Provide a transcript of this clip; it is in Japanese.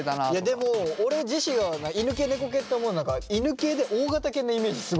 でも俺自身は犬系・猫系って思う中犬系で大型犬のイメージすごいある。